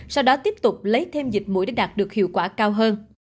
sau đó tiếp tục lấy thêm dịch mũi để đạt được hiệu quả cao hơn